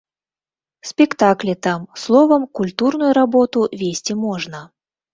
Спектаклі там, словам, культурную работу весці можна.